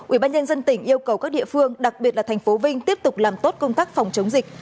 ubnd tỉnh yêu cầu các địa phương đặc biệt là thành phố vinh tiếp tục làm tốt công tác phòng chống dịch